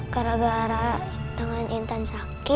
tepuk tangan anak anak